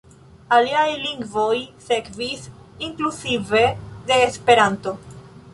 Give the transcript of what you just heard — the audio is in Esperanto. Aliaj lingvoj sekvis, inkluzive de Esperanto.